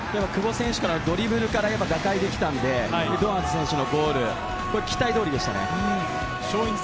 ドリブルから打開できたので堂安選手のゴール、期待どおりでした。